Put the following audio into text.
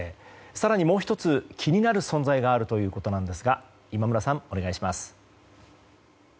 更にもう１つ、気になる存在があるということですが今村さん、お願いします。